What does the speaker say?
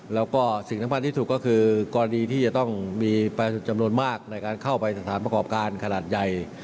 แล้วก็สิ่งสำคัญที่สุดก็คือกรณีที่จะต้องมีประชาชนจำนวนมากในการเข้าไปสถานประกอบการขนาดใหญ่